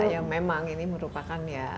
ya memang ini merupakan ya